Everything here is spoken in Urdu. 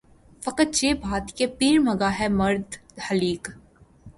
فقط یہ بات کہ پیر مغاں ہے مرد خلیق